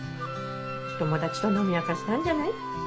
友達と飲み明かしたんじゃない？